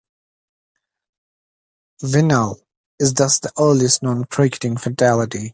Vinall is thus the earliest known cricketing fatality.